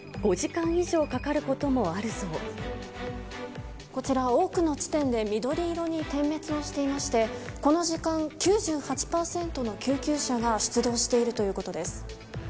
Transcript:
搬送にこちら、多くの地点で緑色に点滅をしていまして、この時間、９８％の救急車が出動しているということです。